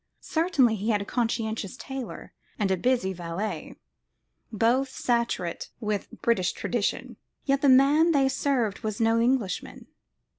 Certainly he had a conscientious tailor and a busy valet, both saturate with British tradition. Yet the man they served was no Englishman.